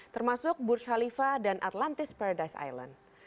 termasuk burj khalifa dan atlantis paradise island